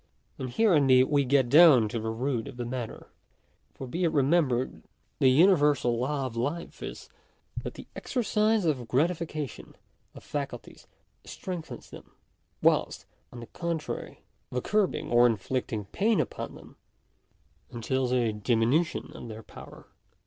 And here indeed we get down to the root of the matter. For be it remembered Digitized by VjOOQIC 80 DERIVATION OF A FIRST PRINCIPLE. the universal law of life is, that the exercise or gratification of faculties strengthens them ; whilst, on the contrary, the curbing or inflicting pain upon them, entails a diminution of their power.